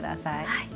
はい。